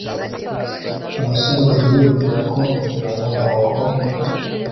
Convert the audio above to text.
abasore bajya bibwira ko kugira ngo abakobwa